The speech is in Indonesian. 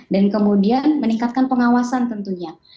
dan kemudian meningkatkan pengawasan tentunya